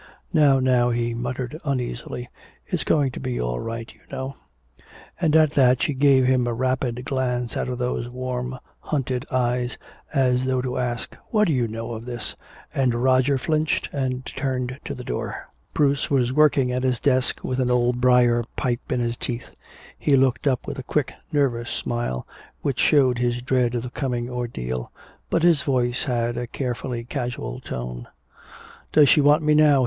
"Now, now," he muttered, uneasily, "it's going to be all right, you know " And at that she gave him a rapid glance out of those warm hunted eyes, as though to ask, "What do you know of this?" And Roger flinched and turned to the door. Bruce was working at his desk, with an old briar pipe in his teeth. He looked up with a quick nervous smile which showed his dread of the coming ordeal, but his voice had a carefully casual tone. "Does she want me now?"